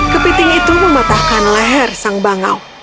kepiting itu mematahkan leher sang bangau